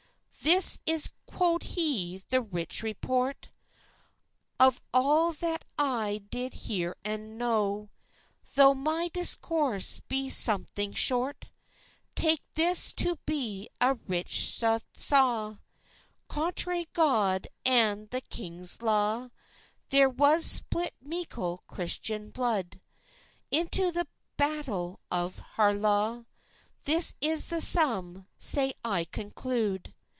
This is (quod he) the richt report Of all that I did heir and knaw; Thocht my discourse be sumthing schort, Tak this to be a richt suthe saw: Contrairie God and the kings law, Thair was spilt mekle Christian blude, Into the battil of Harlaw: This is the sum, sae I conclude.